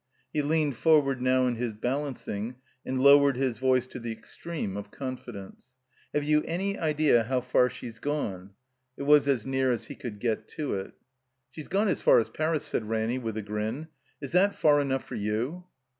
He leaned forward now in his balancing, and lowered his voice to the extreme of confidence. "Have you any idea how far she's gone?" (It was as near as he could get to it.) "She's gone as far as Paris," said Ranny, with a grin. "Is that far enough for you?"